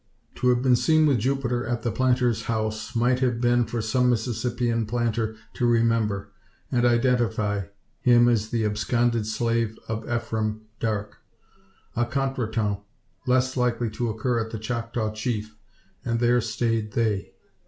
To have been seen with Jupiter at the Planter's House might have been for some Mississippian planter to remember, and identify, him as the absconded slave of Ephraim Darke. A contretemps less likely to occur at the Choctaw Chief, and there stayed they.